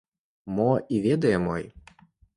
Мо і ведае мой.